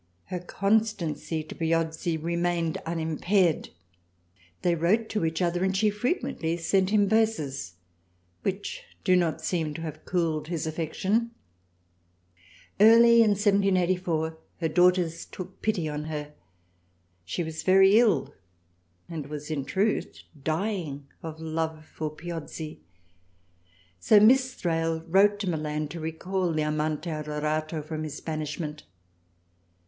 Her constancy to Piozzi remained unimpaired. They wrote to each other and she frequently sent him 38 THRALIANA verses which do not seem to have cooled his affection. Early in 1784 her daughters took pity on her. She was very ill and was in truth dying of love for Piozzi, so Miss Thrale wrote to Milan to recall the Amante Adorato from his banishment.